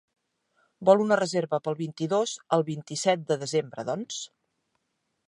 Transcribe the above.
Vol una reserva pel vint-i-dos al vint-i-set de desembre, doncs.